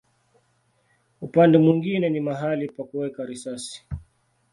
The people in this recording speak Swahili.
Upande mwingine ni mahali pa kuweka risasi.